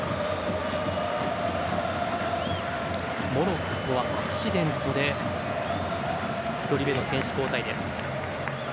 モロッコはアクシデントで１人目の選手交代です。